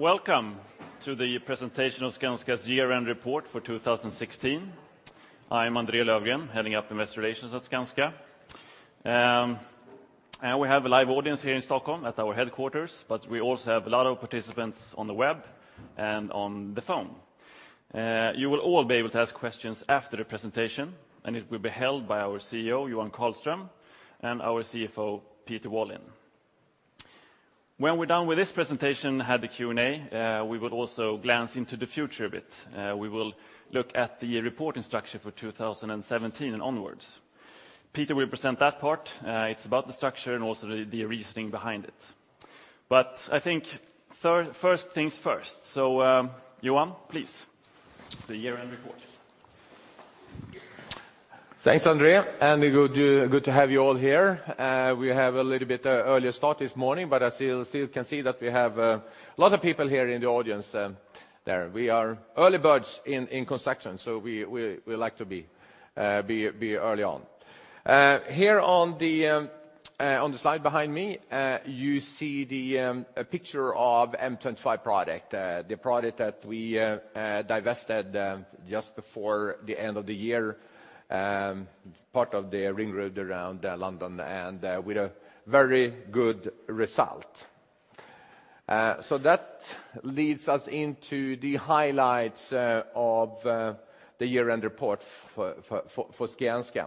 Welcome to the presentation of Skanska's year-end report for 2016. I'm André Löfgren, heading up Investor Relations at Skanska. And we have a live audience here in Stockholm at our headquarters, but we also have a lot of participants on the web and on the phone. You will all be able to ask questions after the presentation, and it will be held by our CEO, Johan Karlström, and our CFO, Peter Wallin. When we're done with this presentation, have the Q&A, we will also glance into the future a bit. We will look at the reporting structure for 2017 and onwards. Peter will present that part. It's about the structure and also the, the reasoning behind it. But I think first things first, so, Johan, please, the year-end report. Thanks, André, and good to have you all here. We have a little bit earlier start this morning, but I still can see that we have a lot of people here in the audience there. We are early birds in construction, so we like to be early on. Here on the slide behind me, you see a picture of M25 project, the project that we divested just before the end of the year, part of the ring road around London, and with a very good result. So that leads us into the highlights of the year-end report for Skanska.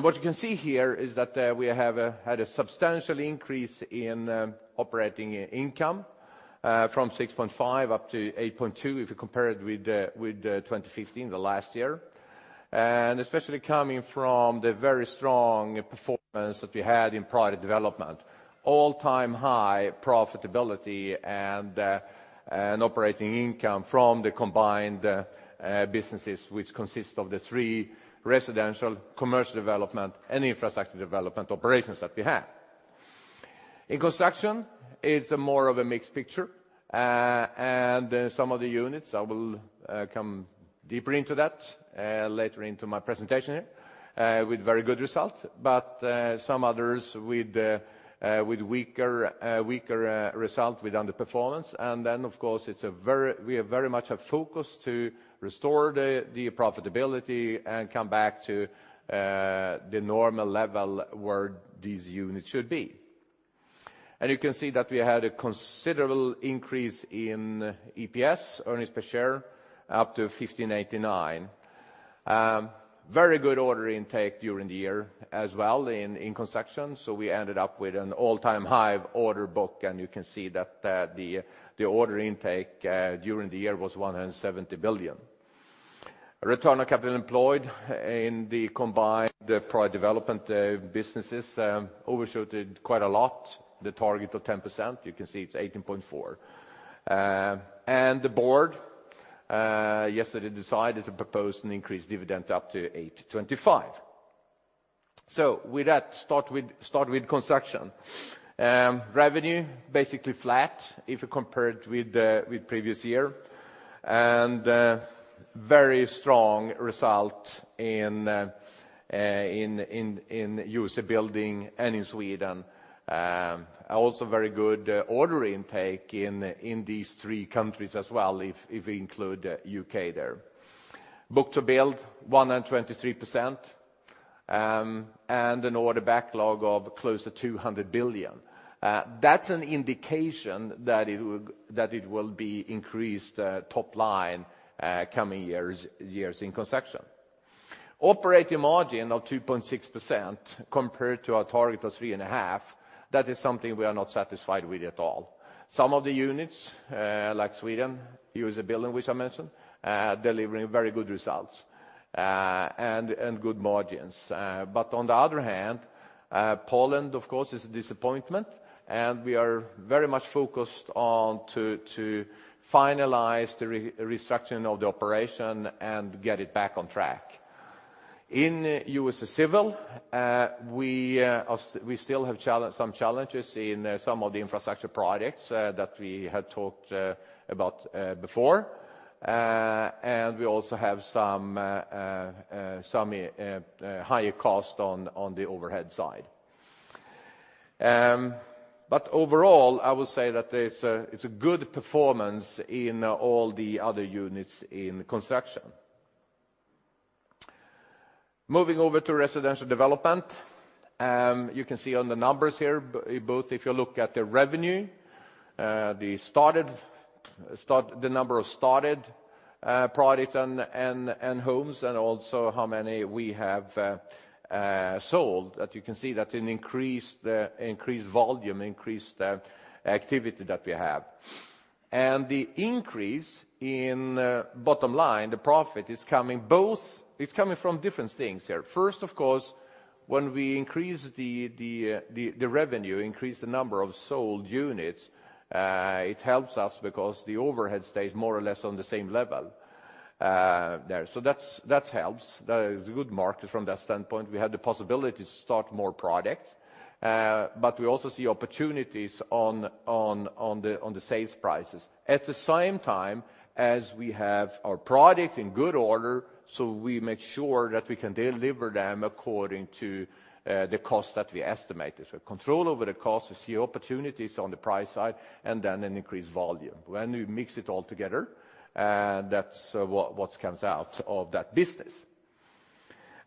What you can see here is that we had a substantial increase in operating income from 6.5-8.2, if you compare it with 2015, the last year. And especially coming from the very strong performance that we had in project development, all-time high profitability and operating income from the combined businesses, which consist of the three: residential, commercial development, and infrastructure development operations that we have. In construction, it's more of a mixed picture. And some of the units I will come deeper into that later into my presentation here with very good results. But some others with weaker results with underperformance. And then, of course, we have very much a focus to restore the profitability and come back to the normal level where these units should be. And you can see that we had a considerable increase in EPS, earnings per share, up to 15.89. Very good order intake during the year as well in construction, so we ended up with an all-time high order book, and you can see that the order intake during the year was 170 billion. Return on capital employed in the combined project development businesses overshot it quite a lot, the target of 10%. You can see it's 18.4%. And the board yesterday decided to propose an increased dividend up to 8.25. So with that, start with construction. Revenue, basically flat, if you compare it with previous year. And very strong result in USA Building and in Sweden. Also very good order intake in these three countries as well, if we include UK there. Book-to-build, 123%, and an order backlog of close to 200 billion. That's an indication that it will be increased top line coming years in construction. Operating margin of 2.6% compared to our target of 3.5%, that is something we are not satisfied with at all. Some of the units, like Sweden, USA Building, which I mentioned, delivering very good results, and good margins. But on the other hand, Poland, of course, is a disappointment, and we are very much focused on to finalize the restructuring of the operation and get it back on track. In USA Civil, we still have some challenges in some of the infrastructure projects that we had talked about before. And we also have some higher cost on the overhead side. But overall, I would say that it's a good performance in all the other units in construction. Moving over to residential development, you can see on the numbers here, both if you look at the revenue, the number of started projects and homes, and also how many we have sold. That you can see that's an increased, increased volume, increased activity that we have. And the increase in bottom line, the profit, is coming both... It's coming from different things here. First, of course, when we increase the revenue, increase the number of sold units, it helps us because the overhead stays more or less on the same level, there. So that's, that helps. The good market from that standpoint, we have the possibility to start more projects... but we also see opportunities on the sales prices. At the same time, as we have our projects in good order, so we make sure that we can deliver them according to the cost that we estimated. So control over the cost, we see opportunities on the price side, and then an increased volume. When you mix it all together, that's what comes out of that business.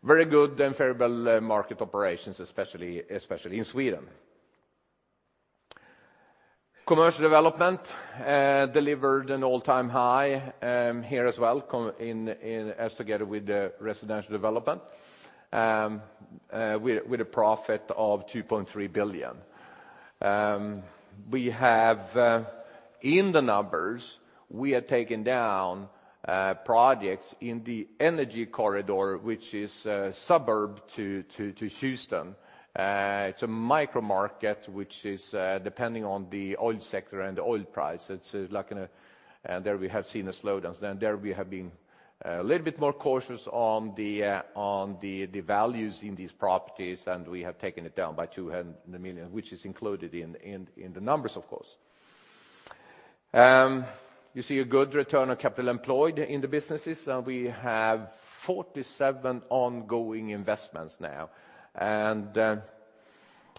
Very good and favorable market operations, especially in Sweden. Commercial development delivered an all-time high here as well, together with the residential development, with a profit of 2.3 billion. We have in the numbers taken down projects in the Energy Corridor, which is a suburb to Houston. It's a micro market, which is depending on the oil sector and the oil price. It's like in a slowdown. There we have seen a slowdown. Then there we have been a little bit more cautious on the values in these properties, and we have taken it down by 200 million, which is included in the numbers, of course. You see a good return on capital employed in the businesses, and we have 47 ongoing investments now, and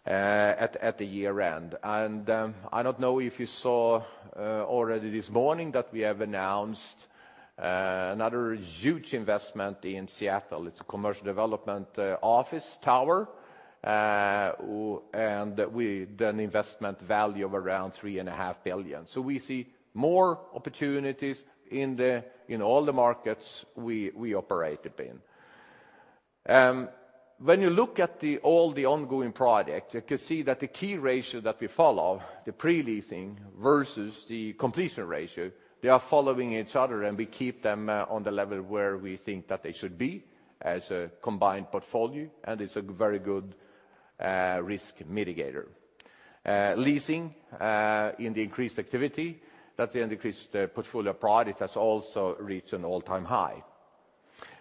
at the year-end. And I don't know if you saw already this morning that we have announced another huge investment in Seattle. It's a commercial development office tower, and we've done investment value of around 3.5 billion. So we see more opportunities in all the markets we operated in. When you look at all the ongoing projects, you can see that the key ratio that we follow, the pre-leasing versus the completion ratio, they are following each other, and we keep them on the level where we think that they should be as a combined portfolio, and it's a very good risk mitigator. Leasing in the increased activity, that the increased portfolio project has also reached an all-time high,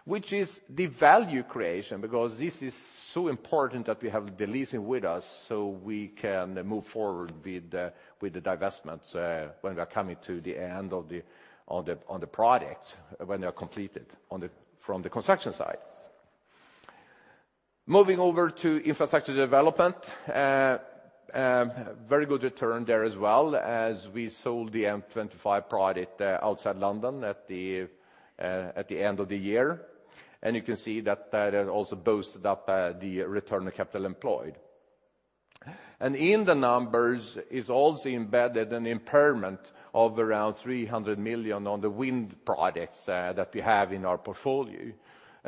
which is the value creation, because this is so important that we have the leasing with us, so we can move forward with the divestments when we are coming to the end of the projects, when they are completed from the construction side. Moving over to infrastructure development, very good return there as well, as we sold the M25 project outside London at the end of the year. You can see that that has also boosted up the return on capital employed. In the numbers is also embedded an impairment of around 300 million on the wind projects that we have in our portfolio.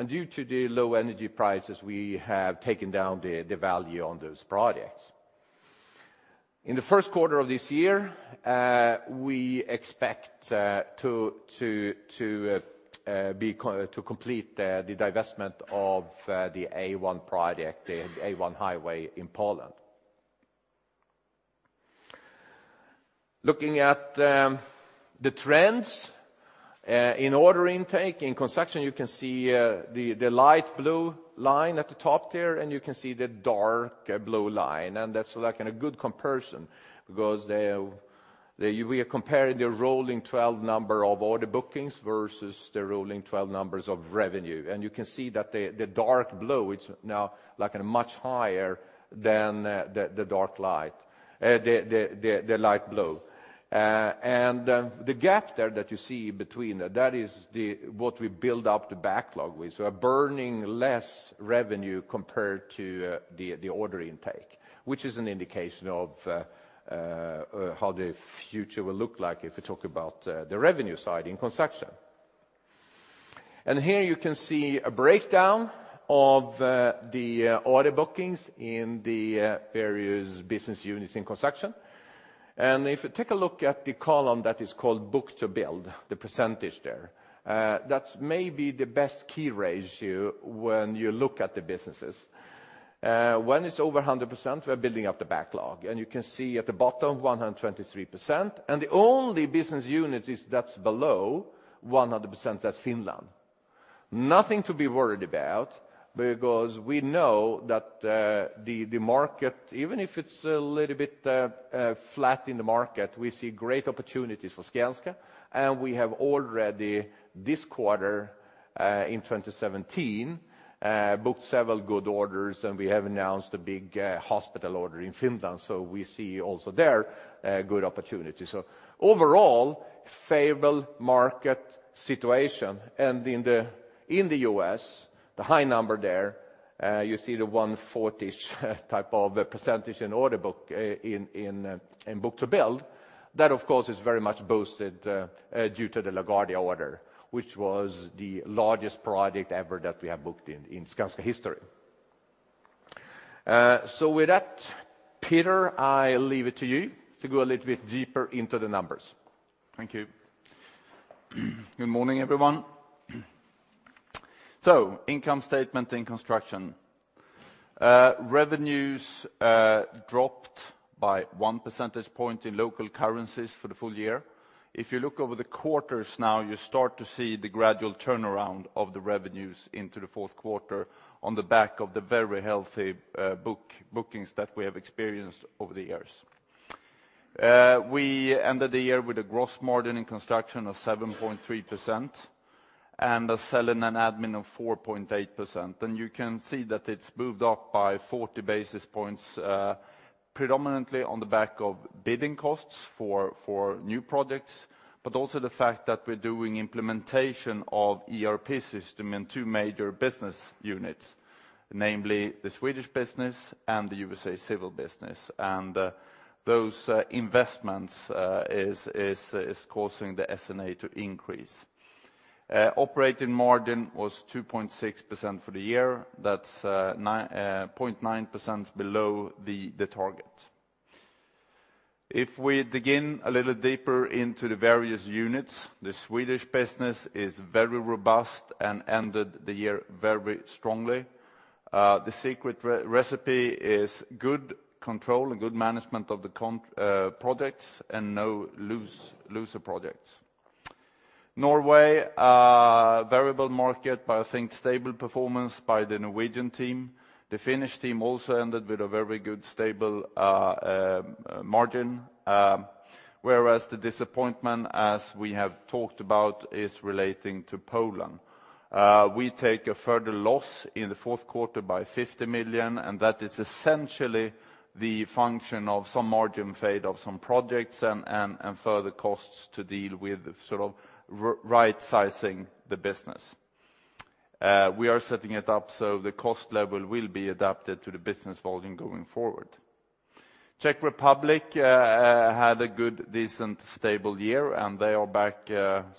Due to the low energy prices, we have taken down the value on those projects. In the first quarter of this year, we expect to complete the divestment of the A1 project, the A1 highway in Poland. Looking at the trends in order intake in construction, you can see the light blue line at the top there, and you can see the dark blue line, and that's like in a good comparison, because we are comparing the rolling 12 number of order bookings versus the rolling 12 numbers of revenue. And you can see that the dark blue, it's now like in a much higher than the light blue. And the gap there that you see between them, that is what we build up the backlog with. So we're burning less revenue compared to the order intake, which is an indication of how the future will look like if you talk about the revenue side in construction. Here you can see a breakdown of the order bookings in the various business units in construction. If you take a look at the column that is called Book-to-build, the percentage there, that's maybe the best key ratio when you look at the businesses. When it's over 100%, we're building up the backlog, and you can see at the bottom, 123%, and the only business unit that's below 100%, that's Finland. Nothing to be worried about, because we know that the market, even if it's a little bit flat in the market, we see great opportunities for Skanska, and we have already this quarter in 2017 booked several good orders, and we have announced a big hospital order in Finland, so we see also there a good opportunity. So overall, favorable market situation, and in the U.S., the high number there you see the 140-ish% in order book in Book-to-build. That, of course, is very much boosted due to the LaGuardia order, which was the largest project ever that we have booked in Skanska history. So with that, Peter, I leave it to you to go a little bit deeper into the numbers. Thank you. Good morning, everyone. So income statement in construction. Revenues dropped by 1% point in local currencies for the full year. If you look over the quarters now, you start to see the gradual turnaround of the revenues into the fourth quarter on the back of the very healthy book, bookings that we have experienced over the years. We ended the year with a gross margin in construction of 7.3%, and a sell and admin of 4.8%. And you can see that it's moved up by 40 basis points, predominantly on the back of bidding costs for new projects, but also the fact that we're doing implementation of ERP system in two major business units, namely the Swedish business and the USA Civil business. Those investments is causing the S&A to increase. Operating margin was 2.6% for the year. That's 9.9% below the target. If we dig in a little deeper into the various units, the Swedish business is very robust and ended the year very strongly. The secret recipe is good control and good management of the projects, and no loser projects. Norway, variable market, but I think stable performance by the Norwegian team. The Finnish team also ended with a very good, stable margin. Whereas the disappointment, as we have talked about, is relating to Poland. We take a further loss in the fourth quarter by 50 million, and that is essentially the function of some margin fade of some projects and, and, and further costs to deal with sort of right-sizing the business. We are setting it up so the cost level will be adapted to the business volume going forward. Czech Republic had a good, decent, stable year, and they are back,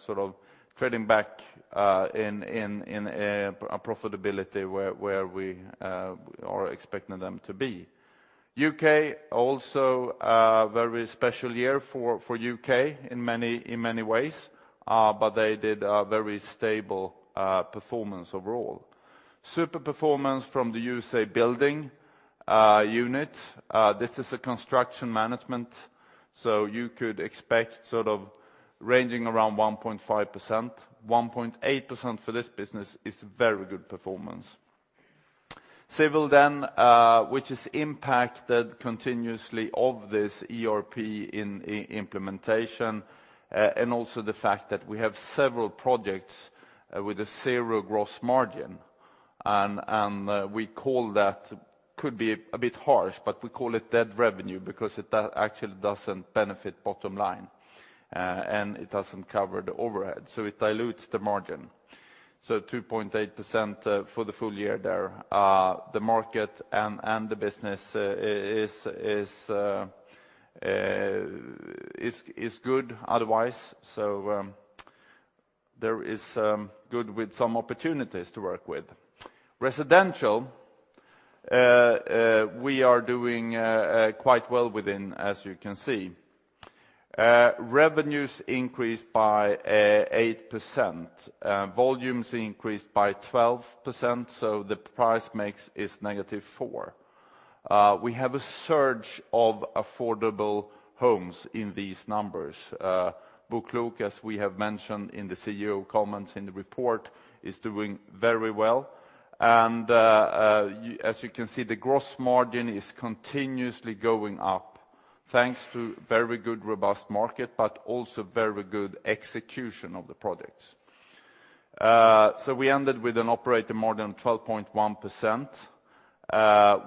sort of trading back in profitability where we are expecting them to be. UK, also, very special year for UK in many, in many ways, but they did a very stable performance overall. Super performance from the USA Building unit. This is a construction management, so you could expect sort of ranging around 1.5%. 1.8% for this business is very good performance. Civil then, which is impacted continuously of this ERP implementation, and also the fact that we have several projects with a zero gross margin. And we call that could be a bit harsh, but we call it dead revenue, because it actually doesn't benefit bottom line, and it doesn't cover the overhead, so it dilutes the margin. So 2.8%, for the full year there. The market and the business is good otherwise, so there is good with some opportunities to work with. Residential, we are doing quite well within, as you can see. Revenues increased by 8%. Volumes increased by 12%, so the price mix is negative 4%. We have a surge of affordable homes in these numbers. BoKlok, as we have mentioned in the CEO comments in the report, is doing very well. As you can see, the gross margin is continuously going up, thanks to very good, robust market, but also very good execution of the projects. So we ended with an operating margin of 12.1%,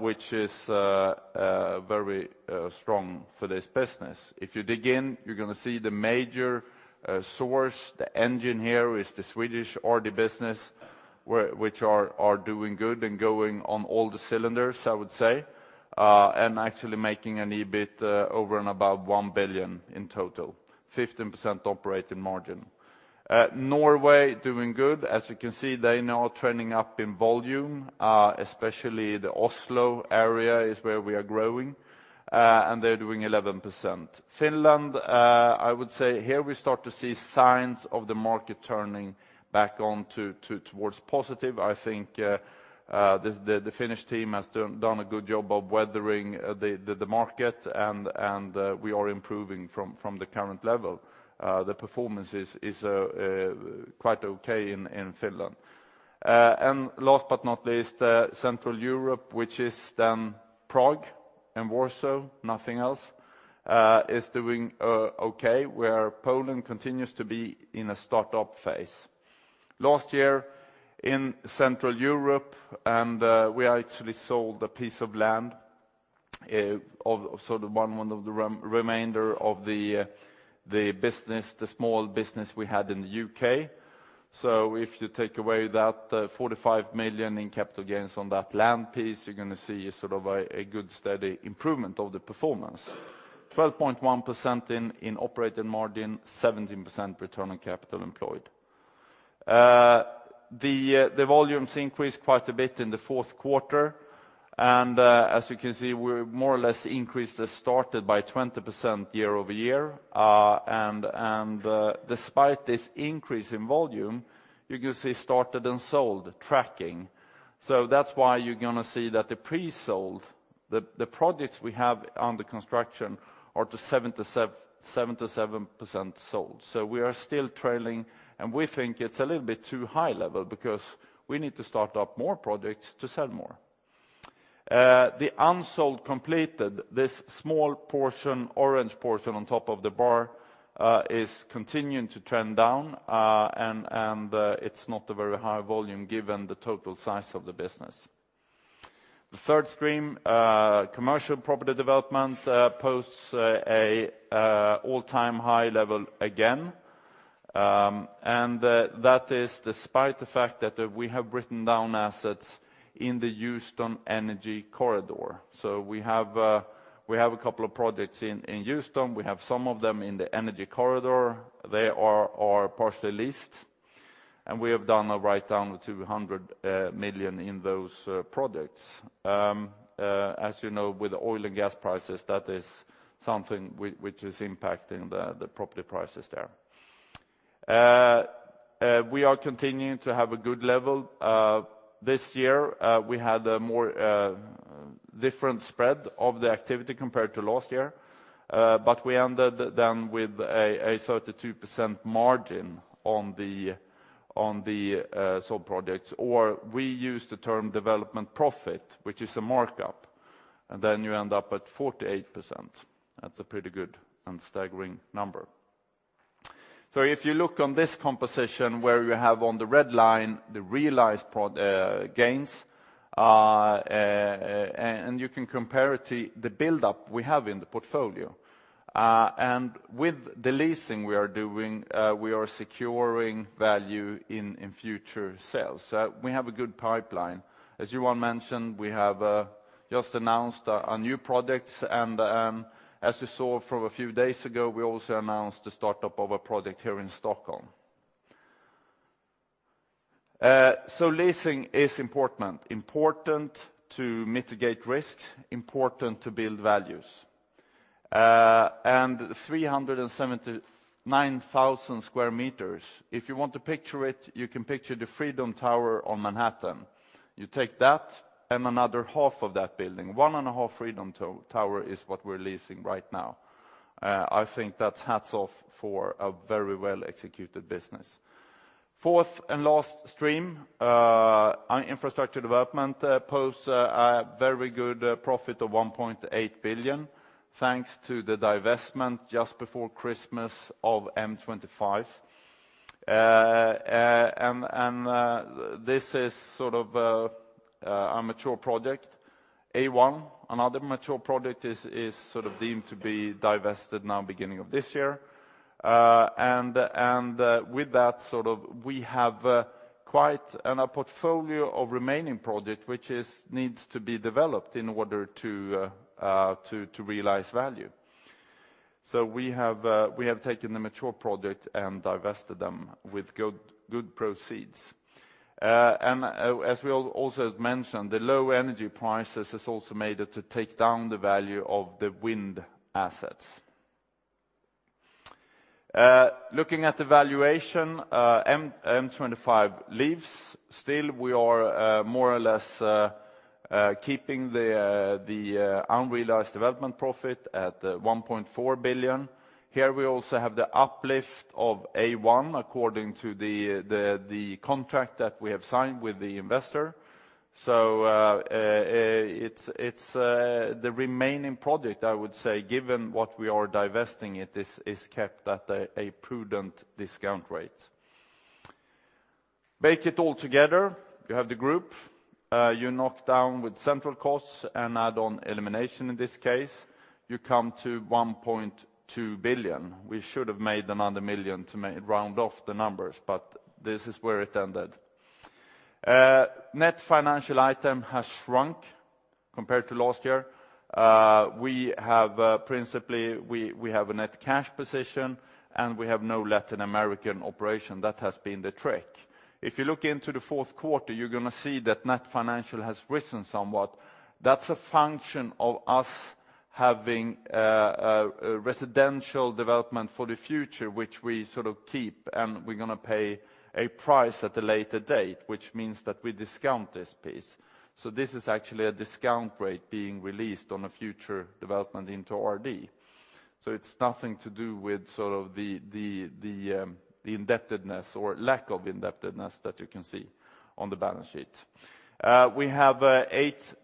which is very strong for this business. If you dig in, you're going to see the major source, the engine here, is the Swedish RD business, which is doing good and going on all the cylinders, I would say. And actually making an EBIT over and above 1 billion in total, 15% operating margin. Norway doing good. As you can see, they now are trending up in volume, especially the Oslo area is where we are growing, and they're doing 11%. Finland, I would say here we start to see signs of the market turning back on to towards positive. I think, the Finnish team has done a good job of weathering the market, and we are improving from the current level. The performance is quite okay in Finland. And last but not least, Central Europe, which is then Prague and Warsaw, nothing else, is doing okay, where Poland continues to be in a startup phase. Last year in Central Europe, we actually sold a piece of land, sort of one of the remainder of the business, the small business we had in the UK. So if you take away that, 45 million in capital gains on that land piece, you're going to see sort of a good, steady improvement of the performance. 12.1% in operating margin, 17% return on capital employed. The volumes increased quite a bit in the fourth quarter, and as you can see, we more or less increased the started by 20% year-over-year. And despite this increase in volume, you can see started and sold tracking. So that's why you're going to see that the pre-sold-... The projects we have under construction are 77% sold. So we are still trailing, and we think it's a little bit too high level because we need to start up more projects to sell more. The unsold completed, this small portion, orange portion on top of the bar, is continuing to trend down. And it's not a very high volume given the total size of the business. The third stream, commercial property development, posts an all-time high level again. And that is despite the fact that we have written down assets in the Houston Energy Corridor. So we have a couple of projects in Houston. We have some of them in the Energy Corridor. They are partially leased, and we have done a write-down to 100 million in those projects. As you know, with oil and gas prices, that is something which is impacting the property prices there. We are continuing to have a good level. This year, we had a more different spread of the activity compared to last year. But we ended then with a 32% margin on the sold projects, or we use the term development profit, which is a markup, and then you end up at 48%. That's a pretty good and staggering number. So if you look on this composition, where you have on the red line, the realized profits and you can compare it to the buildup we have in the portfolio. And with the leasing we are doing, we are securing value in future sales. So we have a good pipeline. As Johan mentioned, we have just announced our new projects, and as you saw from a few days ago, we also announced the startup of a product here in Stockholm. So leasing is important. Important to mitigate risks, important to build values. And 379,000 square meters, if you want to picture it, you can picture the Freedom Tower on Manhattan. You take that and another half of that building. One and a half Freedom Tower is what we're leasing right now. I think that's hats off for a very well-executed business. Fourth and last stream, infrastructure development, posts a very good profit of 1.8 billion, thanks to the divestment just before Christmas of M25. And this is sort of a mature project. A1, another mature project, is sort of deemed to be divested now, beginning of this year. And with that, sort of, we have quite a portfolio of remaining project, which needs to be developed in order to realize value. So we have taken the mature project and divested them with good proceeds. And as we also mentioned, the low energy prices has also made it to take down the value of the wind assets. Looking at the valuation, M25 leaves. Still, we are more or less keeping the unrealized development profit at 1.4 billion. Here, we also have the uplift of A1, according to the contract that we have signed with the investor. So, it's the remaining project, I would say, given what we are divesting, it is kept at a prudent discount rate. Bake it all together, you have the group, you knock down with central costs and add on elimination, in this case, you come to 1.2 billion. We should have made another 1 million to round off the numbers, but this is where it ended. Net financial item has shrunk compared to last year. We have principally, we have a net cash position, and we have no Latin American operation. That has been the trick. If you look into the fourth quarter, you're going to see that net financial has risen somewhat. That's a function of us having a residential development for the future, which we sort of keep, and we're going to pay a price at a later date, which means that we discount this piece. So this is actually a discount rate being released on a future development into RD. So it's nothing to do with sort of the indebtedness or lack of indebtedness that you can see on the balance sheet. We have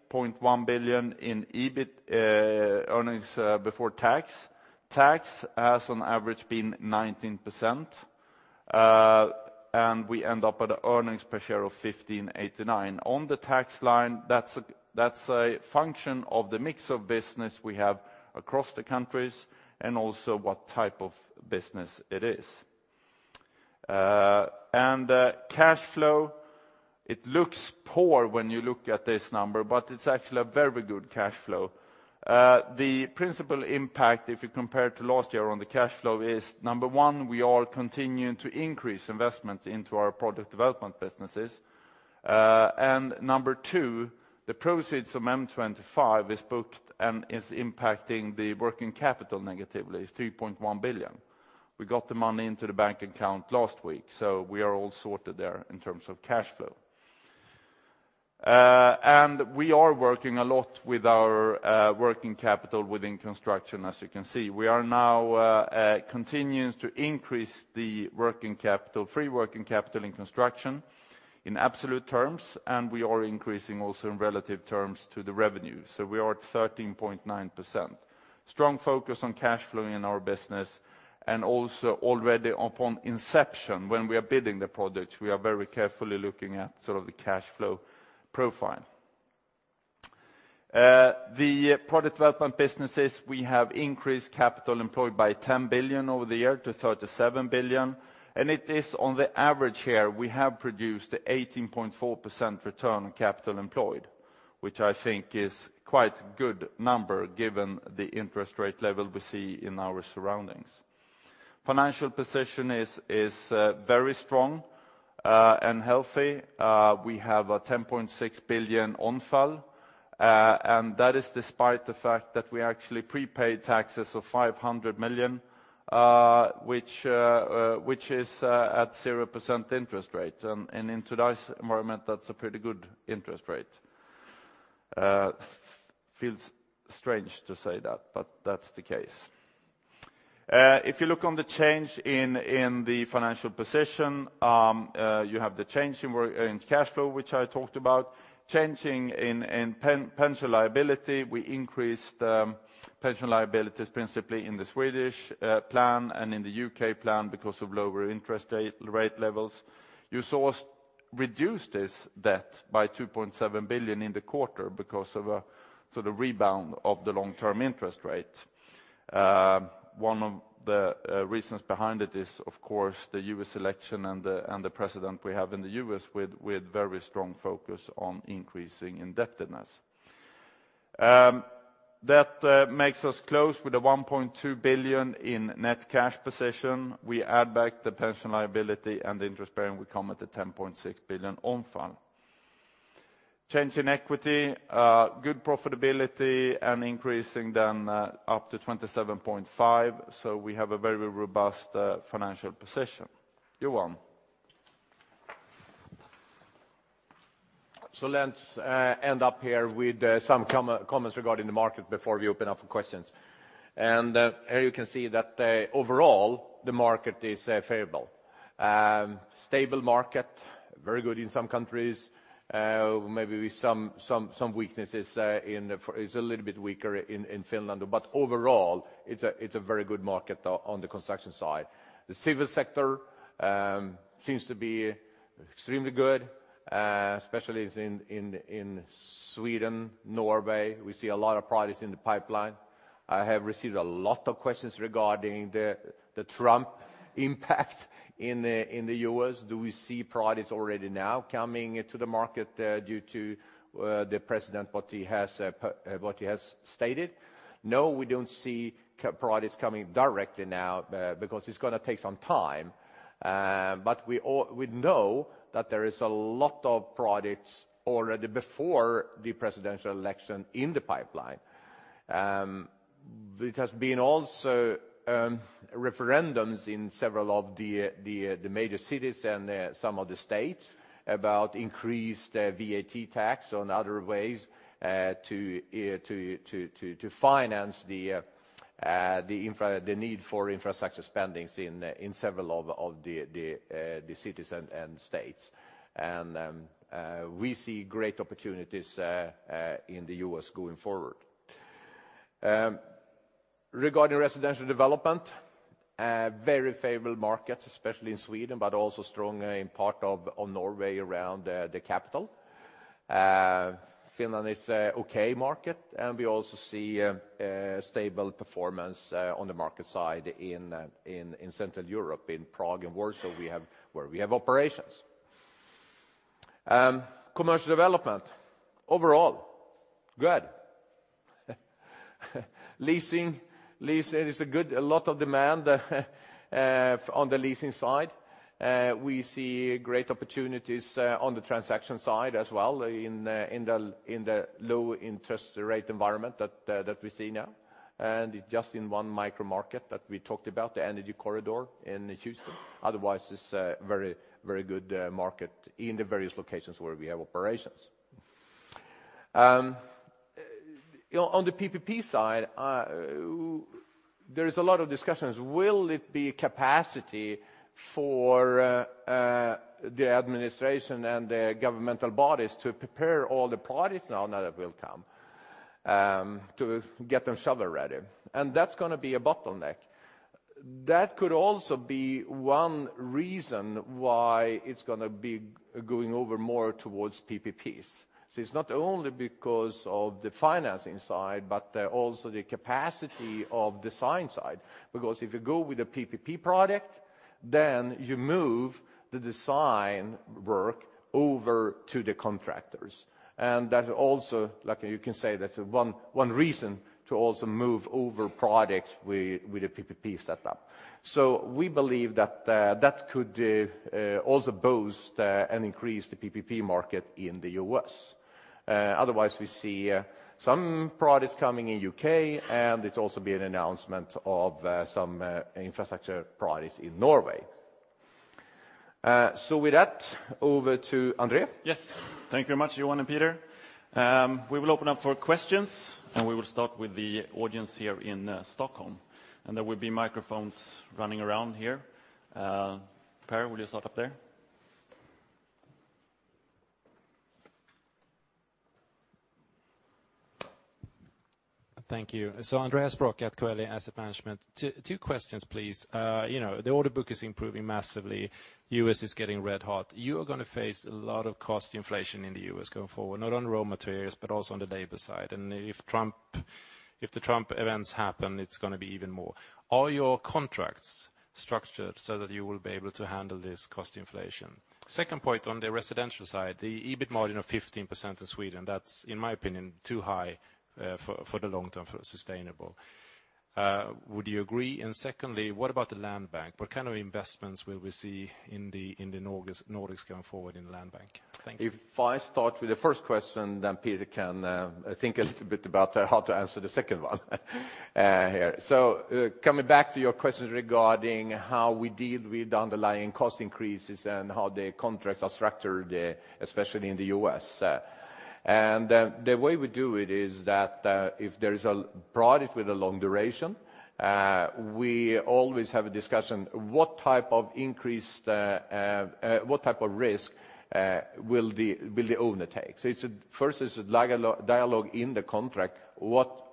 8.1 billion in EBIT, earnings before tax. Tax has on average been 19%, and we end up at an earnings per share of 15.89. On the tax line, that's a, that's a function of the mix of business we have across the countries and also what type of business it is. Cash flow, it looks poor when you look at this number, but it's actually a very good cash flow. The principal impact, if you compare it to last year on the cash flow, is, number 1, we are continuing to increase investments into our project development businesses. And number two, the proceeds from M25 is booked and is impacting the working capital negatively, 3.1 billion. We got the money into the bank account last week, so we are all sorted there in terms of cash flow. And we are working a lot with our working capital within construction, as you can see. We are now continuing to increase the working capital, free working capital in construction in absolute terms, and we are increasing also in relative terms to the revenue, so we are at 13.9%. Strong focus on cash flow in our business, and also already upon inception, when we are bidding the project, we are very carefully looking at sort of the cash flow profile. The project development businesses, we have increased capital employed by 10 billion over the year to 37 billion, and it is on the average here, we have produced 18.4% return on capital employed, which I think is quite good number, given the interest rate level we see in our surroundings. Financial position is, is very strong, and healthy. We have 10.6 billion inflow, and that is despite the fact that we actually prepaid taxes of 500 million, which is at 0% interest rate, and in today's environment, that's a pretty good interest rate. Feels strange to say that, but that's the case. If you look at the change in the financial position, you have the change in working capital in cash flow, which I talked about. Change in pension liability, we increased pension liabilities, principally in the Swedish plan and in the UK plan because of lower interest rate levels. You saw us reduce this debt by 2.7 billion in the quarter because of a sort of rebound of the long-term interest rate. One of the reasons behind it is, of course, the US election and the president we have in the US with very strong focus on increasing indebtedness. That makes us close with 1.2 billion in net cash position. We add back the pension liability and the interest-bearing, we come at 10.6 billion overall. Change in equity, good profitability and increasing then up to 27.5, so we have a very robust financial position. Johan? So let's end up here with some comments regarding the market before we open up for questions. And here you can see that overall, the market is favorable. Stable market, very good in some countries, maybe with some weaknesses. It's a little bit weaker in Finland, but overall, it's a very good market on the construction side. The civil sector seems to be extremely good, especially in Sweden, Norway. We see a lot of projects in the pipeline. I have received a lot of questions regarding the Trump impact in the US. Do we see projects already now coming into the market due to the president, what he has stated? No, we don't see pro-projects coming directly now, because it's gonna take some time. But we know that there is a lot of projects already before the presidential election in the pipeline. It has been also referendums in several of the major cities and some of the states about increased VAT tax on other ways to finance the need for infrastructure spendings in several of the cities and states. And we see great opportunities in the U.S. going forward. Regarding residential development, very favorable markets, especially in Sweden, but also strong in parts of Norway around the capital. Finland is an okay market, and we also see a stable performance on the market side in Central Europe, in Prague and Warsaw, where we have operations. Commercial development, overall, good. Leasing is good, a lot of demand on the leasing side. We see great opportunities on the transaction side as well, in the low interest rate environment that we see now. And just in one micro market that we talked about, the Energy Corridor in Houston. Otherwise, it's a very, very good market in the various locations where we have operations. On the PPP side, there is a lot of discussions. Will it be capacity for the administration and the governmental bodies to prepare all the parties now, now that will come to get themselves ready? And that's gonna be a bottleneck. That could also be one reason why it's gonna be going over more towards PPPs. So it's not only because of the financing side, but also the capacity of the science side. Because if you go with a PPP project, then you move the design work over to the contractors. And that also, like you can say, that's one reason to also move over projects with a PPP setup. So we believe that that could also boost and increase the PPP market in the U.S. Otherwise, we see some projects coming in U.K., and it's also been an announcement of some infrastructure projects in Norway. With that, over to André? Yes, thank you very much, Johan and Peter. We will open up for questions, and we will start with the audience here in Stockholm, and there will be microphones running around here. Per, will you start up there? Thank you. So Andreas Brock at Coeli Asset Management. Two, two questions, please. You know, the order book is improving massively. U.S. is getting red hot. You are going to face a lot of cost inflation in the U.S. going forward, not on raw materials, but also on the labor side, and if Trump, if the Trump events happen, it's going to be even more. Are your contracts structured so that you will be able to handle this cost inflation? Second point, on the residential side, the EBIT margin of 15% in Sweden, that's, in my opinion, too high, for, for the long term, for sustainable. Would you agree? And secondly, what about the land bank? What kind of investments will we see in the, in the Nordics going forward in the land bank? Thank you. If I start with the first question, then Peter can think a little bit about how to answer the second one here. So, coming back to your question regarding how we deal with the underlying cost increases and how the contracts are structured, especially in the U.S. And the way we do it is that, if there is a product with a long duration, we always have a discussion, what type of increase, what type of risk will the owner take? So it's a, first, it's a larger dialogue in the contract, what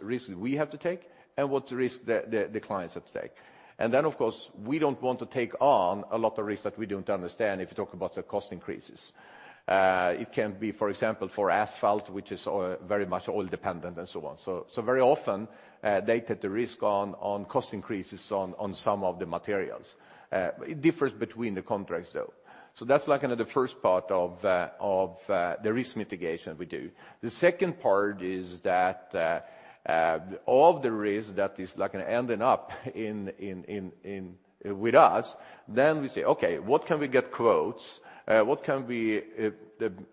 risks we have to take and what risk the clients have to take. And then, of course, we don't want to take on a lot of risk that we don't understand if you talk about the cost increases. It can be, for example, for asphalt, which is very much oil dependent, and so on. So very often, they take the risk on cost increases on some of the materials. It differs between the contracts, though. So that's like, kind of the first part of the risk mitigation we do. The second part is that all of the risk that is like ending up in with us, then we say, "Okay, what can we get quotes? What can we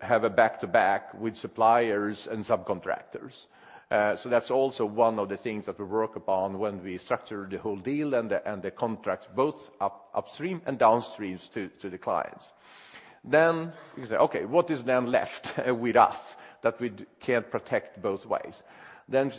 have a back-to-back with suppliers and subcontractors?" So that's also one of the things that we work upon when we structure the whole deal and the contracts, both upstream and downstreams to the clients. Then you say, "Okay, what is then left with us that we can't protect both ways?" Then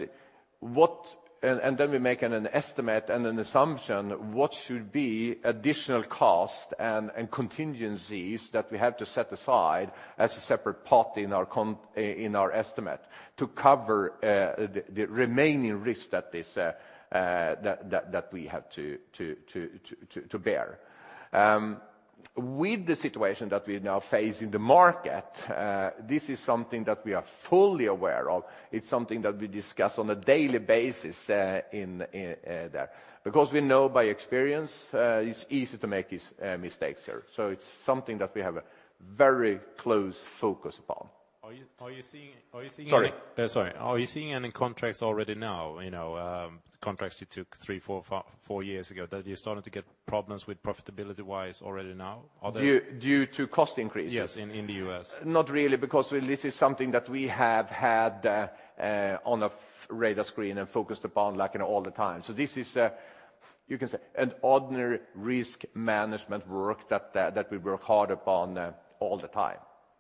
what? And then we make an estimate and an assumption, what should be additional cost and contingencies that we have to set aside as a separate part in our estimate to cover the remaining risk that is that we have to bear. With the situation that we now face in the market, this is something that we are fully aware of. It's something that we discuss on a daily basis in there. Because we know by experience, it's easy to make these mistakes here. So it's something that we have a very close focus upon. Are you seeing- Sorry? Sorry. Are you seeing any contracts already now, you know, contracts you took three, four, four years ago, that you're starting to get problems with profitability-wise already now? Are there- Due to cost increases? Yes, in the U.S. Not really, because this is something that we have had on a radar screen and focused upon, like, you know, all the time. So this is, you can say, an ordinary risk management work that we work hard upon, all the time.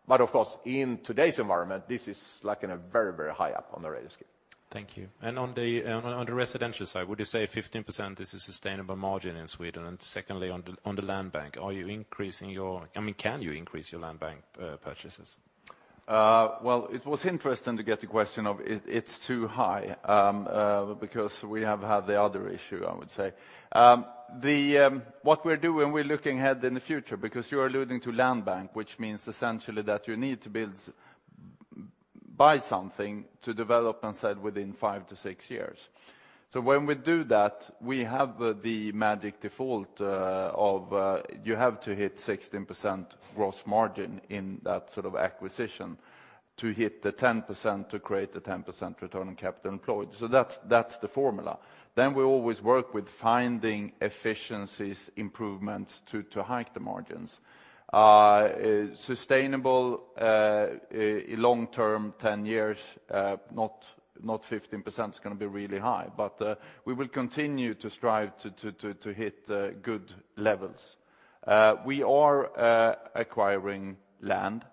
But of course, in today's environment, this is like in a very, very high up on the radar screen. Thank you. And on the residential side, would you say 15% is a sustainable margin in Sweden? And secondly, on the land bank, are you increasing your... I mean, can you increase your land bank purchases? Well, it was interesting to get the question of it, it's too high, because we have had the other issue, I would say. What we're doing, we're looking ahead in the future, because you're alluding to land bank, which means essentially that you need to build, buy something to develop and sell within five to six years. So when we do that, we have the magic default of you have to hit 16% gross margin in that sort of acquisition to hit the 10%, to create the 10% return on capital employed. So that's, that's the formula. Then we always work with finding efficiencies, improvements, to hike the margins. Sustainable, long-term, 10 years, not 15% is going to be really high, but we will continue to strive to hit good levels. We are acquiring land.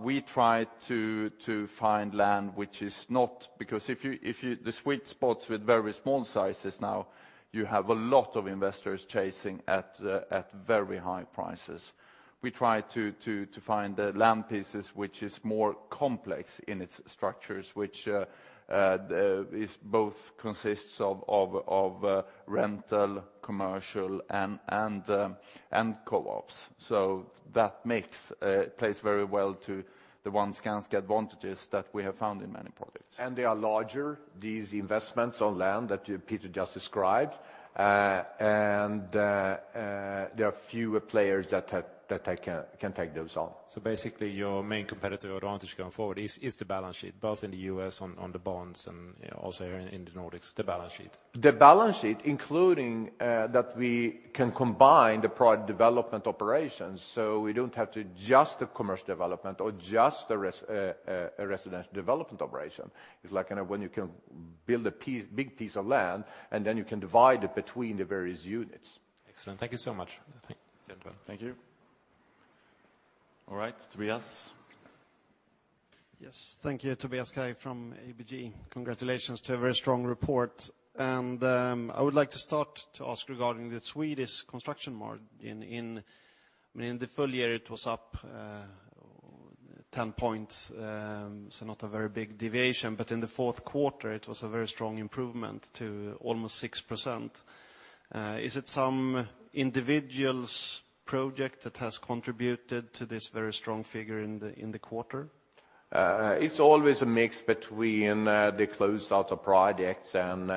We try to find land which is not... Because the sweet spots with very small sizes now, you have a lot of investors chasing at very high prices. We try to find the land pieces which is more complex in its structures, which is both consists of rental, commercial, and co-ops. So that makes plays very well to the one Skanska advantages that we have found in many projects. They are larger, these investments on land that Peter just described, and there are fewer players that can take those on. Basically, your main competitive advantage going forward is the balance sheet, both in the U.S. on the bonds and, you know, also in the Nordics, the balance sheet. The balance sheet, including that we can combine the project development operations, so we don't have to just a commercial development or just a residential development operation. It's like when you can build a big piece of land, and then you can divide it between the various units. Excellent. Thank you so much. Thank you, gentlemen. Thank you.... All right, Tobias? Yes, thank you. Tobias Kaj from ABG. Congratulations to a very strong report. And, I would like to start to ask regarding the Swedish construction margin in, I mean, in the full year, it was up, ten points, so not a very big deviation. But in the fourth quarter, it was a very strong improvement to almost 6%. Is it some individual's project that has contributed to this very strong figure in the, in the quarter? It's always a mix between the closeout of projects and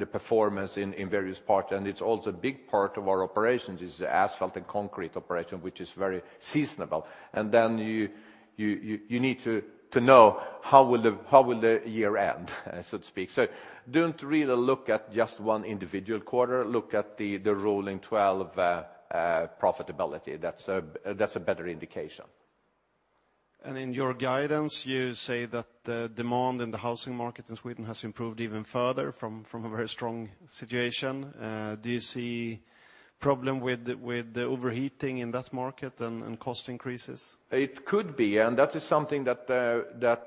the performance in various parts. It's also a big part of our operations is the asphalt and concrete operation, which is very seasonable. Then you need to know how will the year end, so to speak. Don't really look at just one individual quarter, look at the rolling twelve profitability. That's a better indication. In your guidance, you say that the demand in the housing market in Sweden has improved even further from a very strong situation. Do you see problem with the overheating in that market and cost increases? It could be, and that is something that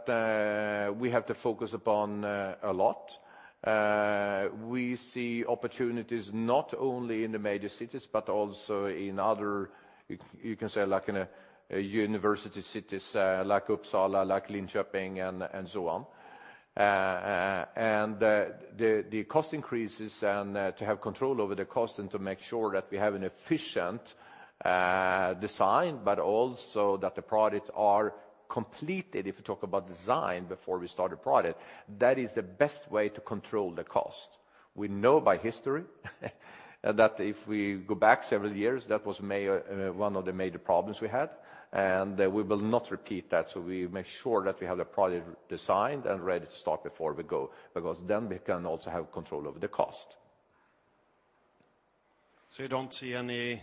we have to focus upon a lot. We see opportunities not only in the major cities, but also in other, you can say, like in university cities, like Uppsala, like Linköping, and so on. And the cost increases and to have control over the cost and to make sure that we have an efficient design, but also that the projects are completed, if you talk about design before we start a product, that is the best way to control the cost. We know by history, that if we go back several years, that was one of the major problems we had, and we will not repeat that. We make sure that we have the product designed and ready to start before we go, because then we can also have control over the cost. You don't see any,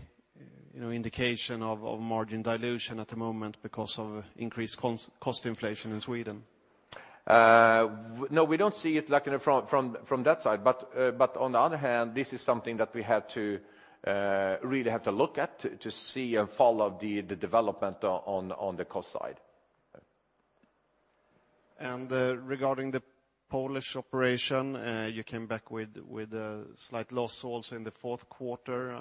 you know, indication of margin dilution at the moment because of increased cost inflation in Sweden? No, we don't see it, like, from that side. But on the other hand, this is something that we had to really have to look at to see and follow the development on the cost side. Regarding the Polish operation, you came back with, with a slight loss also in the fourth quarter,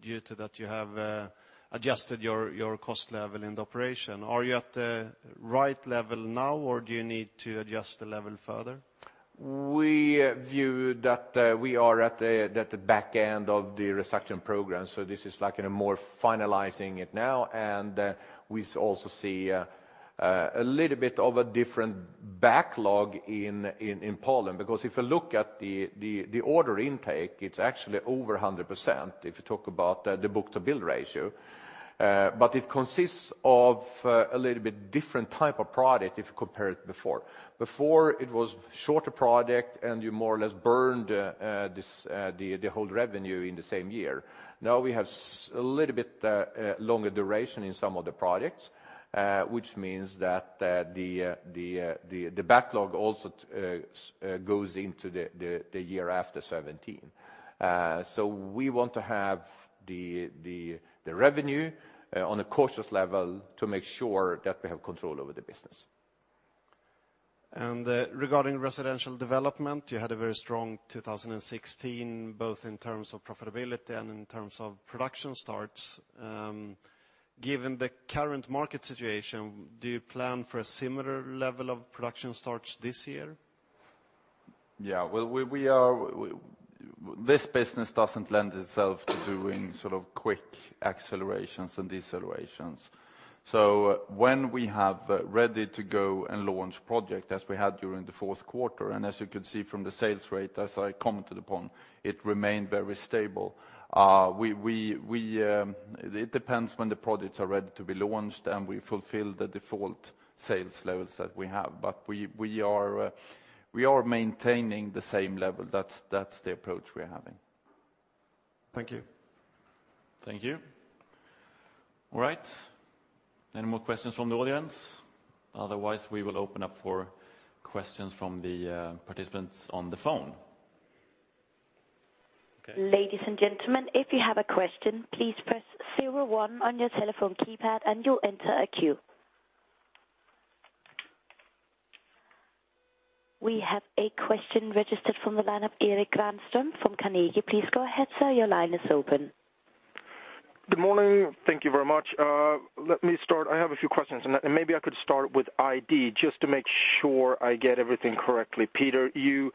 due to that you have adjusted your, your cost level in the operation. Are you at the right level now, or do you need to adjust the level further? We view that we are at the back end of the restructuring program, so this is like in a more finalizing it now. And we also see a little bit of a different backlog in Poland, because if you look at the order intake, it's actually over 100%, if you talk about the book-to-bill ratio. But it consists of a little bit different type of product if you compare it before. Before, it was shorter product, and you more or less burned this the whole revenue in the same year. Now, we have a little bit longer duration in some of the projects, which means that the backlog also goes into the year after 2017. So we want to have the revenue on a cautious level to make sure that we have control over the business. Regarding residential development, you had a very strong 2016, both in terms of profitability and in terms of production starts. Given the current market situation, do you plan for a similar level of production starts this year? Yeah, well, we are, we are, this business doesn't lend itself to doing sort of quick accelerations and decelerations. When we have ready to go and launch project, as we had during the fourth quarter, and as you can see from the sales rate, as I commented upon, it remained very stable. We, we, it depends when the projects are ready to be launched, and we fulfill the default sales levels that we have. We are maintaining the same level. That's the approach we are having. Thank you. Thank you. All right, any more questions from the audience? Otherwise, we will open up for questions from the participants on the phone. Okay. Ladies and gentlemen, if you have a question, please press zero-one on your telephone keypad, and you'll enter a queue. We have a question registered from the line of Erik Granström from Carnegie. Please go ahead, sir. Your line is open. Good morning. Thank you very much. Let me start. I have a few questions, and maybe I could start with ID, just to make sure I get everything correctly. Peter, you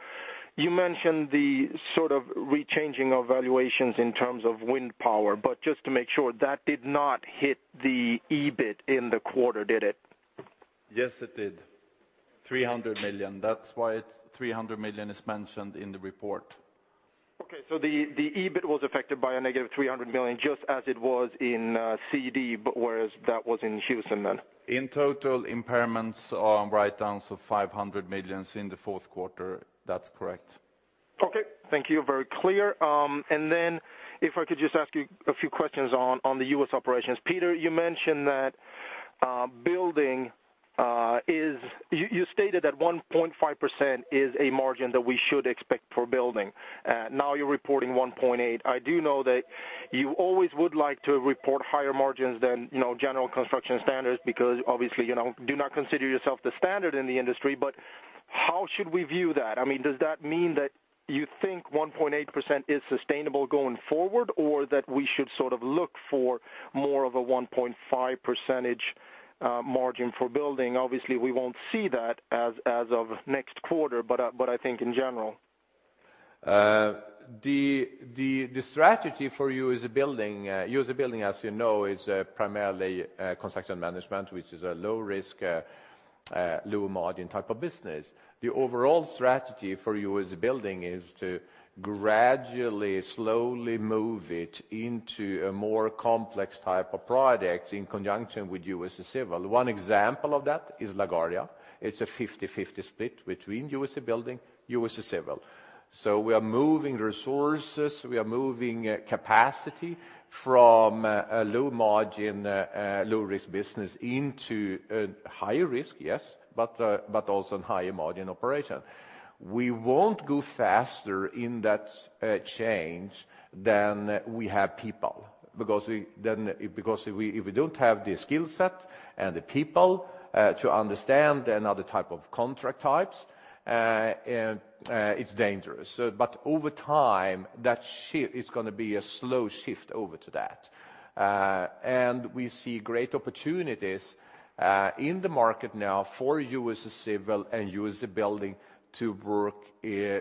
mentioned the sort of rechanging of valuations in terms of wind power, but just to make sure, that did not hit the EBIT in the quarter, did it? Yes, it did. 300 million. That's why it's 300 million is mentioned in the report. Okay, so the EBIT was affected by a negative 300 million, just as it was in CD, but whereas that was in Houston then? In total, impairments on write-downs of 500 million in the fourth quarter. That's correct. Okay, thank you. Very clear. And then if I could just ask you a few questions on the U.S. operations. Peter, you mentioned that building is, you stated that 1.5% is a margin that we should expect for building. Now you're reporting 1.8%. I do know that you always would like to report higher margins than, you know, general construction standards, because obviously, you know, do not consider yourself the standard in the industry. But how should we view that? I mean, does that mean that you think 1.8% is sustainable going forward, or that we should sort of look for more of a 1.5% margin for building? Obviously, we won't see that as of next quarter, but, but I think in general. The strategy for USA Building, as you know, is primarily construction management, which is a low-risk, low-margin type of business. The overall strategy for USA Building is to gradually, slowly move it into a more complex type of projects in conjunction with USA Civil. One example of that is LaGuardia. It's a 50/50 split between USA Building, USA Civil. So we are moving resources, we are moving capacity from a low-margin, low-risk business into a higher risk, yes, but also in higher margin operation. We won't go faster in that change than we have people, because if we, if we don't have the skill set and the people to understand another type of contract types, it's dangerous. So but over time, that shift is going to be a slow shift over to that. And we see great opportunities in the market now for you as a civil and you as a building to work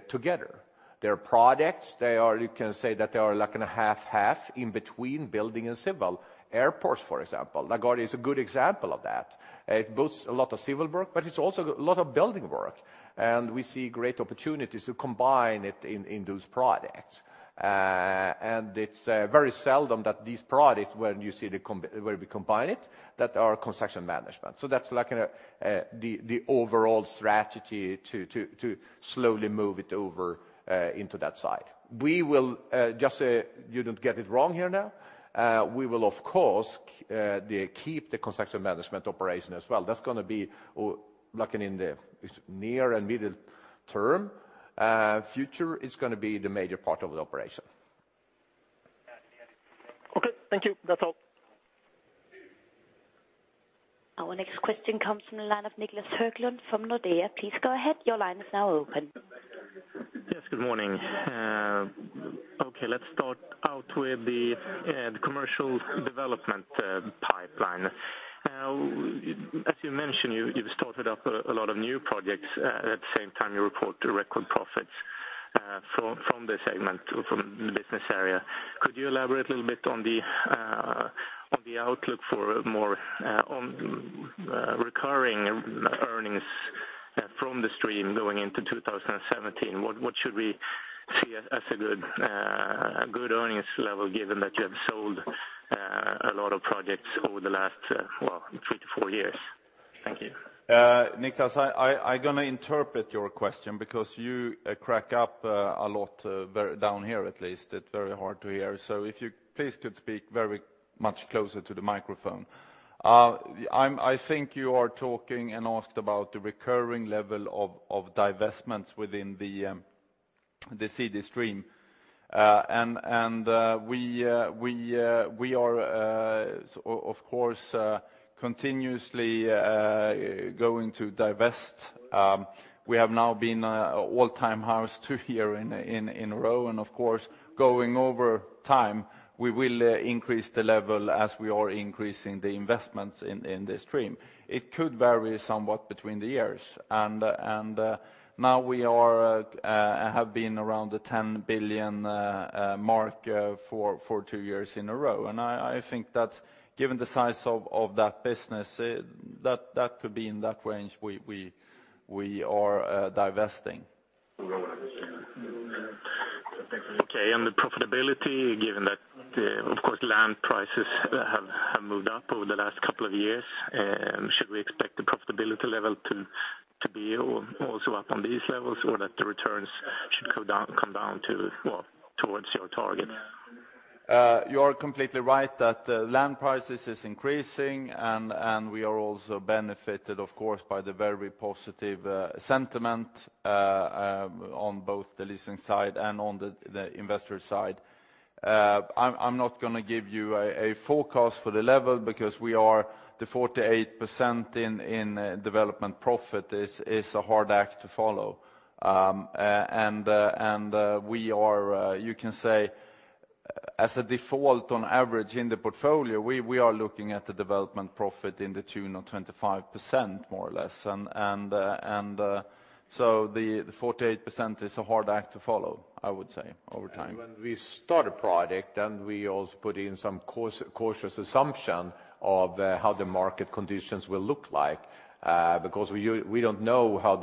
together. There are projects, they are, you can say that they are like in a half-half in between building and civil. Airports, for example, LaGuardia is a good example of that. It builds a lot of civil work, but it's also a lot of building work, and we see great opportunities to combine it in those projects. And it's very seldom that these projects, when you see the combined where we combine it, that are Construction Management. So that's like the overall strategy to slowly move it over into that side. We will just you don't get it wrong here now. We will of course keep the Construction Management operation as well. That's going to be like in the near and middle term future, it's going to be the major part of the operation. Okay, thank you. That's all. Our next question comes from the line of Niclas Höglund from Nordea. Please go ahead. Your line is now open. Yes, good morning. Okay, let's start out with the commercial development pipeline. Now, as you mentioned, you've started up a lot of new projects at the same time, you report record profits from the segment, from the business area. Could you elaborate a little bit on the outlook for more recurring earnings from the stream going into 2017? What should we see as a good earnings level, given that you have sold a lot of projects over the last, well, 3-4 years? Thank you. Niclas, I'm going to interpret your question because you crack up a lot very down here at least. It's very hard to hear. So if you please could speak very much closer to the microphone. I think you are talking and asked about the recurring level of divestments within the CD stream. And we are, so of course, continuously going to divest. We have now been all-time highs two years in a row, and of course, going over time, we will increase the level as we are increasing the investments in this stream. It could vary somewhat between the years. Now we have been around the 10 billion mark for two years in a row. I think that given the size of that business, that could be in that range, we are divesting. Okay, and the profitability, given that, of course, land prices have moved up over the last couple of years, should we expect the profitability level to be also up on these levels, or that the returns should come down to, well, towards your target? You are completely right that the land prices is increasing, and, and we are also benefited, of course, by the very positive, sentiment, on both the leasing side and on the, the investor side. I'm not going to give you a forecast for the level because we are the 48% in development profit is a hard act to follow. And, and, we are, you can say, as a default, on average in the portfolio, we, we are looking at the development profit in the tune of 25%, more or less. And, and, so the 48% is a hard act to follow, I would say, over time. And when we start a project, then we also put in some cautious assumption of how the market conditions will look like, because we don't know how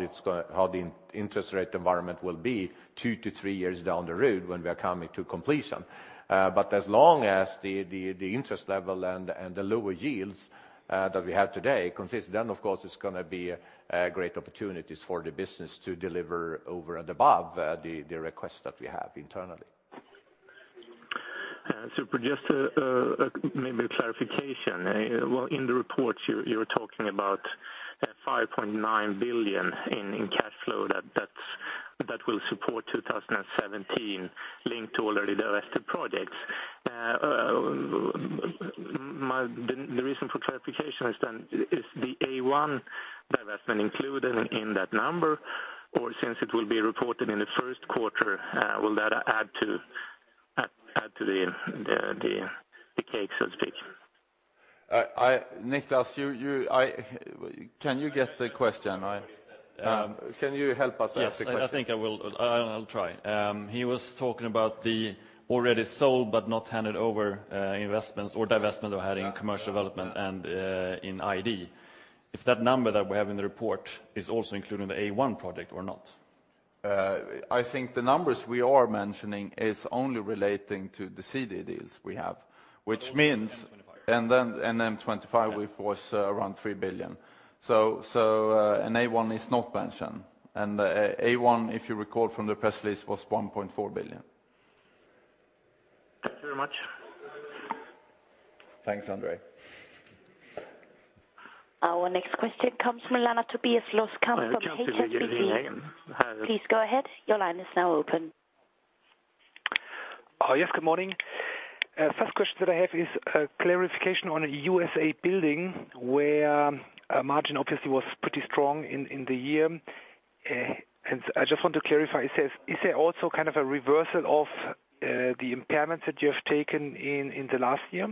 the interest rate environment will be 2-3 years down the road when we are coming to completion. But as long as the interest level and the lower yields that we have today consist, then of course, it's going to be great opportunities for the business to deliver over and above the request that we have internally. So just maybe a clarification. Well, in the report, you were talking about 5.9 billion in cash flow that will support 2017 linked to already divested projects. The reason for clarification is then, is the A1 divestment included in that number, or since it will be reported in the first quarter, will that add to the cake, so to speak? Niclas, can you get the question? Can you help us out with the question? Yes, I think I will. I, I'll try. He was talking about the already sold but not handed over, investments or divestment we had in commercial development and, in ID. If that number that we have in the report is also included in the A1 project or not? I think the numbers we are mentioning is only relating to the CD deals we have, which means- Then M25. Then M25, which was around 3 billion. So and A1 is not mentioned. And A1, if you recall from the press release, was 1.4 billion. Thank you very much. Thanks, Andre. Our next question comes from Tobias Loskamp from HSBC. Please go ahead. Your line is now open. Oh, yes, good morning. First question that I have is a clarification on the USA Building, where margin obviously was pretty strong in the year. I just want to clarify, is there also kind of a reversal of the impairments that you have taken in the last year?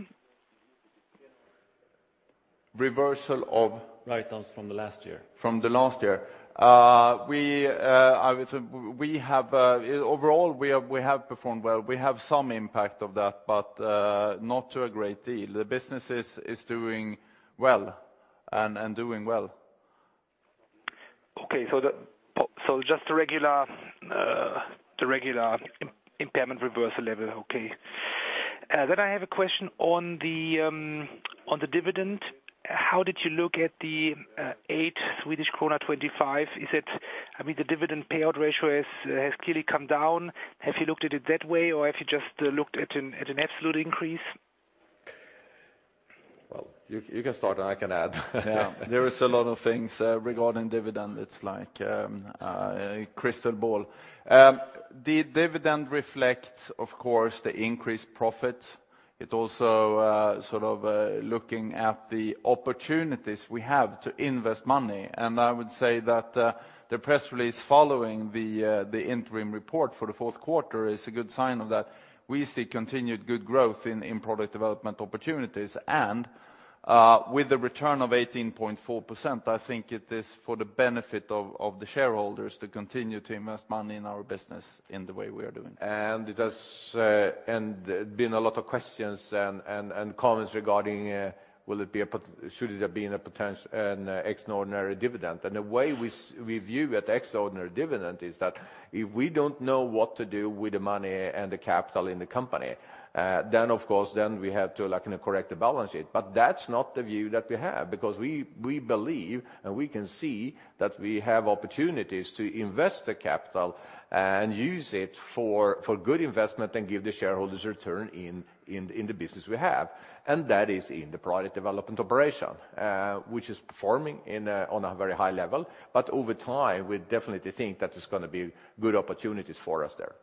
Reversal of? Write-downs from the last year. From the last year. I would say we have overall performed well. We have some impact of that, but not to a great deal. The business is doing well, and doing well. Okay, so the regular, the regular impairment reversal level. Okay. Then I have a question on the dividend. How did you look at the 8.25 Swedish krona? I mean, the dividend payout ratio has clearly come down. Have you looked at it that way, or have you just looked at an absolute increase? Well, you can start, and I can add. Yeah. There is a lot of things regarding dividend. It's like a crystal ball. The dividend reflects, of course, the increased profit. It also sort of looking at the opportunities we have to invest money. And I would say that the press release following the interim report for the fourth quarter is a good sign of that. We see continued good growth in project development opportunities, and with the return of 18.4%, I think it is for the benefit of the shareholders to continue to invest money in our business in the way we are doing. It has been a lot of questions and comments regarding, will it be a pot-- should it have been a potent- an extraordinary dividend? The way we view that extraordinary dividend is that if we don't know what to do with the money and the capital in the company, then, of course, we have to, like, in a correct, balance it. That's not the view that we have, because we believe, and we can see that we have opportunities to invest the capital and use it for good investment and give the shareholders return in the business we have. That is in the project development operation, which is performing on a very high level. Over time, we definitely think that there's going to be good opportunities for us there.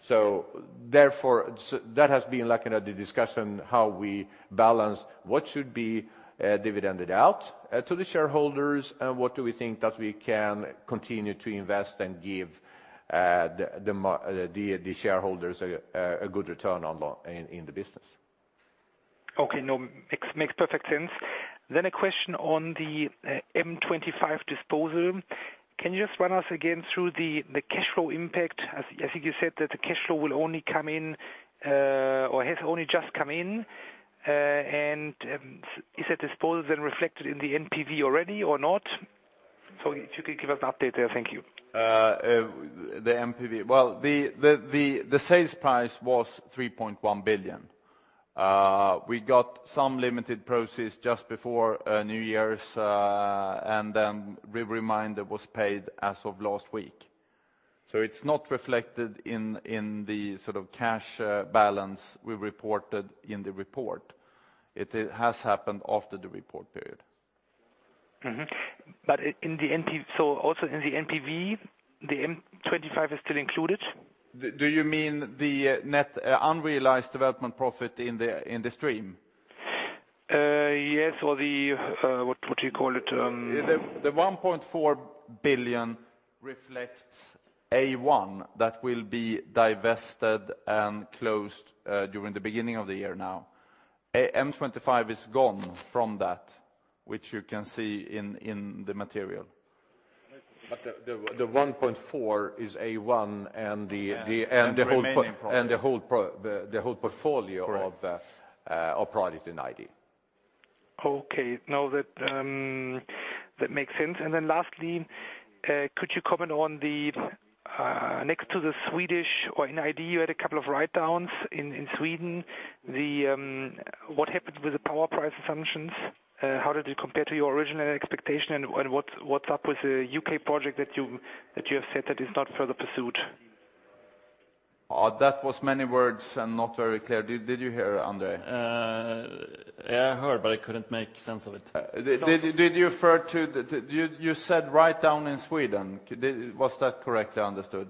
So, therefore, that has been like in the discussion, how we balance what should be dividended out to the shareholders, and what we think that we can continue to invest and give the shareholders a good return on in the business. Okay, no, makes perfect sense. Then a question on the M25 disposal. Can you just run us again through the cash flow impact? I think you said that the cash flow will only come in or has only just come in. And is that disposal then reflected in the NPV already or not? So if you could give us an update there, thank you. The NPV. Well, the sales price was 3.1 billion. We got some limited proceeds just before New Year's, and then the remainder was paid as of last week. So it's not reflected in the sort of cash balance we reported in the report. It has happened after the report period. Mm-hmm. But in the NPV, so also in the NPV, the M25 is still included? Do you mean the net unrealized development profit in the stream? Yes, or the, what you call it The 1.4 billion reflects A1 that will be divested and closed during the beginning of the year now. M25 is gone from that, which you can see in the material. But the 1.4 is A1 and the whole- The remaining part.... and the whole portfolio- Correct... of projects in ID. Okay, now that makes sense. And then lastly, could you comment on the next to the Swedish or in ID, you had a couple of write-downs in Sweden. What happened with the power price assumptions? How did it compare to your original expectation, and what's up with the U.K. project that you have said that is not further pursued?... That was many words and not very clear. Did you hear, André? Yeah, I heard, but I couldn't make sense of it. Did you refer to the—you said write-down in Sweden. Was that correctly understood?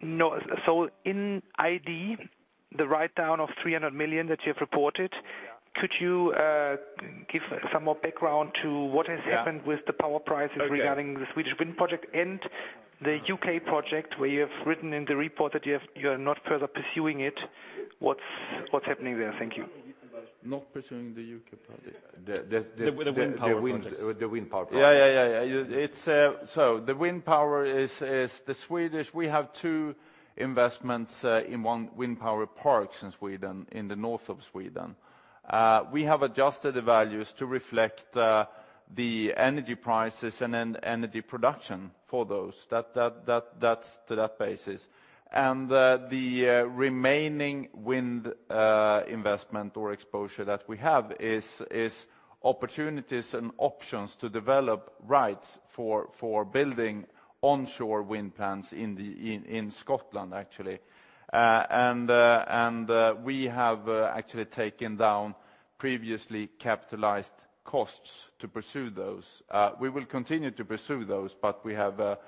No. So in ID, the write-down of 300 million that you have reported- Yeah. Could you give some more background to what has happened- Yeah. with the power prices. Okay. Regarding the Swedish wind project and the UK project, where you have written in the report that you have, you are not further pursuing it. What's, what's happening there? Thank you. Not pursuing the UK project. The, the, the- The wind power project. The wind, the wind power project. Yeah, yeah, yeah, yeah. It's. So the wind power is the Swedish. We have two investments in one wind power park in Sweden, in the north of Sweden. We have adjusted the values to reflect the energy prices and then energy production for those. That's to that basis. And the remaining wind investment or exposure that we have is opportunities and options to develop rights for building onshore wind plants in Scotland, actually. And we have actually taken down previously capitalized costs to pursue those. We will continue to pursue those, but we have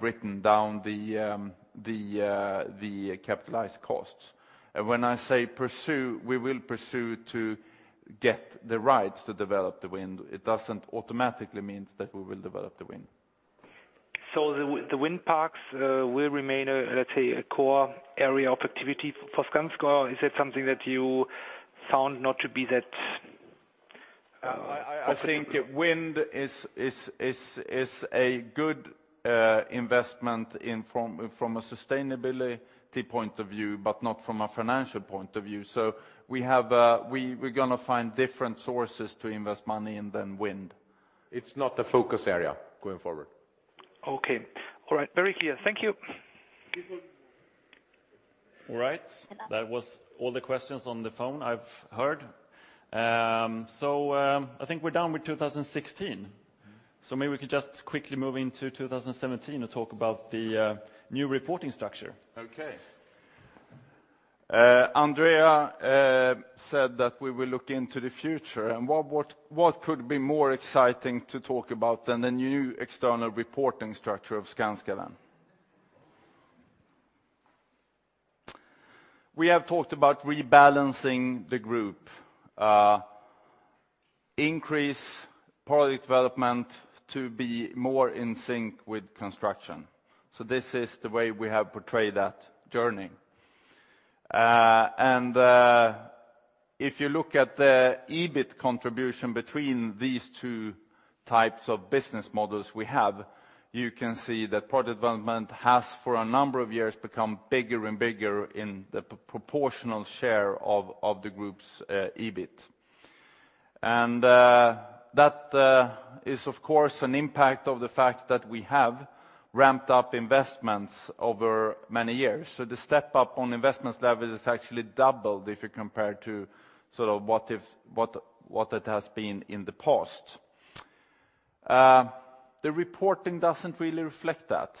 written down the capitalized costs. And when I say pursue, we will pursue to get the rights to develop the wind. It doesn't automatically mean that we will develop the wind. So the wind parks will remain, let's say, a core area of activity for Skanska, or is it something that you found not to be that? I think wind is a good investment from a sustainability point of view, but not from a financial point of view. So we're gonna find different sources to invest money in than wind. It's not a focus area going forward. Okay. All right, very clear. Thank you. All right. That was all the questions on the phone I've heard. I think we're done with 2016. Maybe we could just quickly move into 2017 and talk about the new reporting structure. Okay. André said that we will look into the future, and what could be more exciting to talk about than the new external reporting structure of Skanska then? We have talked about rebalancing the group, increase project development to be more in sync with construction. So this is the way we have portrayed that journey. And if you look at the EBIT contribution between these two types of business models we have, you can see that project development has, for a number of years, become bigger and bigger in the proportional share of the group's EBIT. And that is, of course, an impact of the fact that we have ramped up investments over many years. So the step up on investment level is actually doubled if you compare to sort of what it has been in the past. The reporting doesn't really reflect that,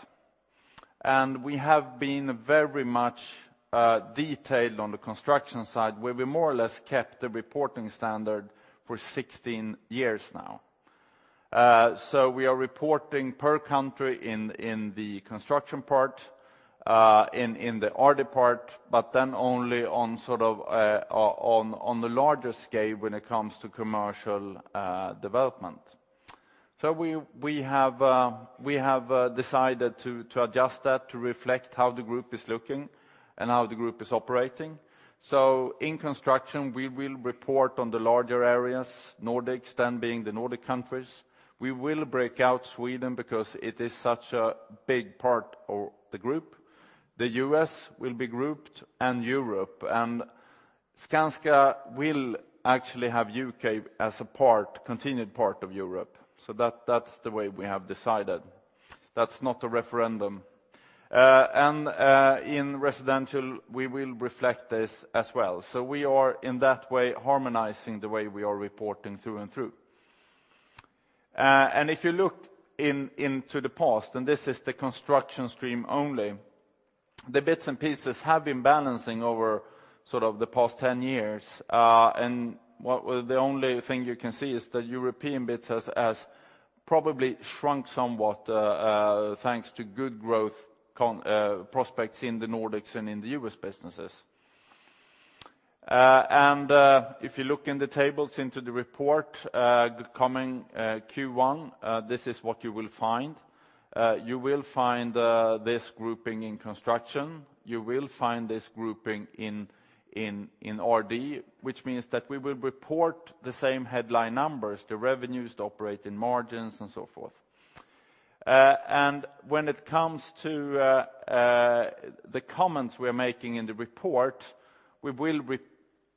and we have been very much detailed on the construction side, where we more or less kept the reporting standard for 16 years now. So we are reporting per country in the construction part, in the RD part, but then only on sort of on the larger scale when it comes to commercial development. So we have decided to adjust that to reflect how the group is looking and how the group is operating. So in construction, we will report on the larger areas, Nordics then being the Nordic countries. We will break out Sweden because it is such a big part of the group. The U.S. will be grouped and Europe, and Skanska will actually have U.K. as a part, continued part of Europe. So that, that's the way we have decided. That's not a referendum. And, in residential, we will reflect this as well. So we are, in that way, harmonizing the way we are reporting through and through. And if you look into the past, and this is the construction stream only, the bits and pieces have been balancing over sort of the past 10 years. And what... The only thing you can see is the European bits has probably shrunk somewhat, thanks to good growth prospects in the Nordics and in the U.S. businesses. And if you look in the tables into the report, the coming Q1, this is what you will find. You will find this grouping in construction. You will find this grouping in RD, which means that we will report the same headline numbers, the revenues, the operating margins, and so forth. And when it comes to the comments we are making in the report, we will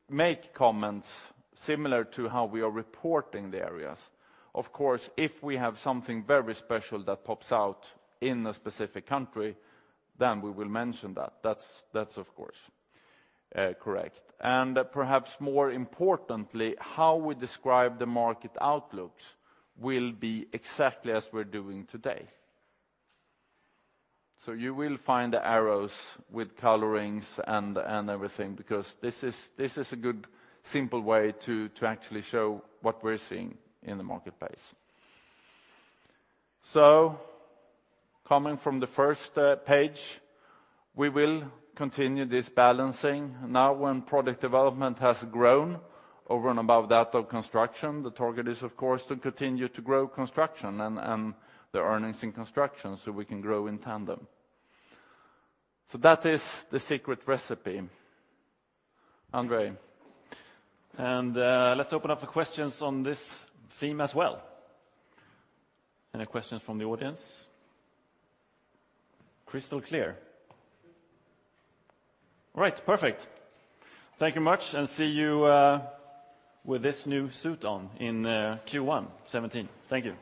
make comments similar to how we are reporting the areas. Of course, if we have something very special that pops out in a specific country, then we will mention that. That's of course correct. And perhaps more importantly, how we describe the market outlook will be exactly as we're doing today. So you will find the arrows with colorings and everything, because this is a good, simple way to actually show what we're seeing in the marketplace. So coming from the first page, we will continue this balancing. Now, when project development has grown over and above that of construction, the target is, of course, to continue to grow construction and the earnings in construction so we can grow in tandem. So that is the secret recipe. André? And, let's open up the questions on this theme as well. Any questions from the audience? Crystal clear. All right, perfect. Thank you much, and see you with this new suit on in Q1 2017. Thank you.